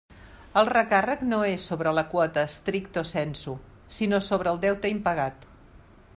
El recàrrec no és sobre la quota stricto sensu, sinó sobre el deute impagat.